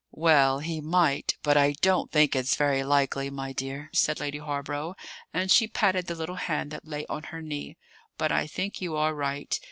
"Well, he might, but I don't think it's very likely, my dear," said Lady Hawborough; and she patted the little hand that lay on her knee. "But I think you are right.